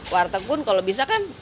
warteg pun kalau bisa kan